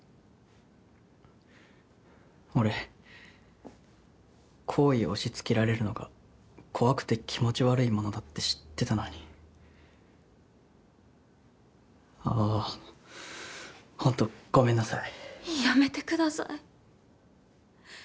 俺好意を押しつけられるのが怖くて気持ち悪いものだって知ってたのにあぁほんとごめんなさいやめてください